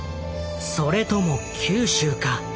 それとも九州か？